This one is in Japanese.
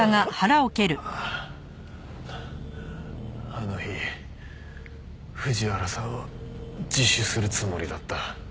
あの日藤原さんは自首するつもりだった。